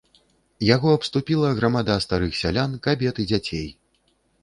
Яго абступіла грамада старых сялян, кабет і дзяцей.